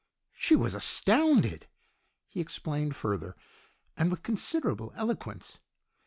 She was astounded. He explained further, and with considerable eloquence.